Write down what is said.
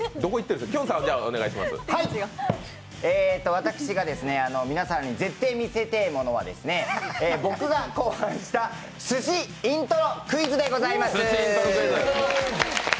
私が皆さんにぜってぇ見せてぇものは僕が考案したすしイントロクイズでございます。